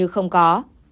gần như không có